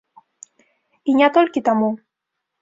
І не толькі таму.